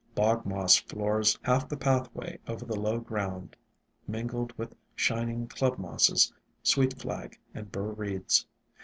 Bog Moss floors half the pathway over the low ground mingled with Shining Club Mosses, Sweet Flag, and Bur Reeds.